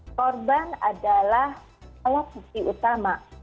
korban adalah alat utama